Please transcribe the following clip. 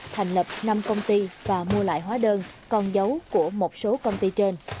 thành lập năm công ty và mua lại hóa đơn con dấu của một số công ty trên